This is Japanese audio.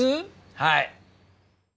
はい。